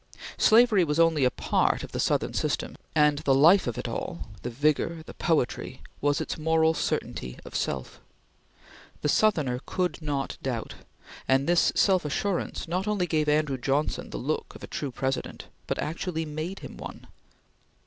Slavery was only a part of the Southern system, and the life of it all the vigor the poetry was its moral certainty of self. The Southerner could not doubt; and this self assurance not only gave Andrew Johnson the look of a true President, but actually made him one.